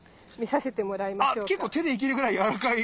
あ結構手でいけるぐらいやわらかい。